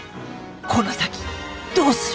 この先どうする！？